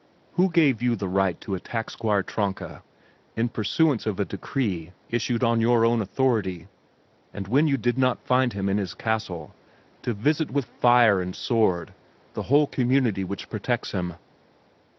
"Who gave you the right to attack Squire Tronka in pursuance of a decree issued on your own authority, and, when you did not find him in his castle, to visit with fire and sword the whole community which protects him?"